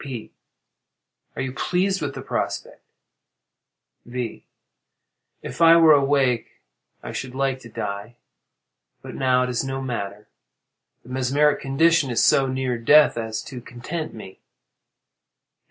P. Are you pleased with the prospect? V. If I were awake I should like to die, but now it is no matter. The mesmeric condition is so near death as to content me.